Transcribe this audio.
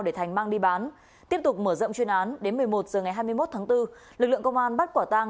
để thành mang đi bán tiếp tục mở rộng chuyên án đến một mươi một h ngày hai mươi một tháng bốn lực lượng công an bắt quả tang